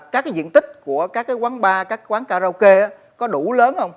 các cái diện tích của các cái quán bar các quán karaoke có đủ lớn không